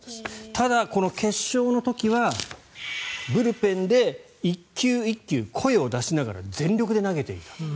ただ、この決勝の時はブルペンで１球１球声を出しながら全力で投げていたと。